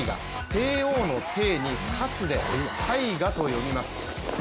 帝王の「帝」に「勝つ」でタイガと読みます。